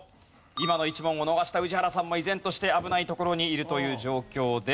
今の１問を逃した宇治原さんも依然として危ない所にいるという状況です。